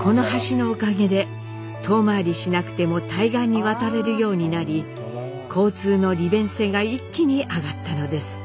この橋のおかげで遠回りしなくても対岸に渡れるようになり交通の利便性が一気に上がったのです。